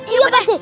iya pak deh